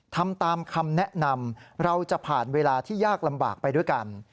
ทำตามคำแนะนำเราจะผ่านเวลาที่ยากลำบากไปด้วยกัน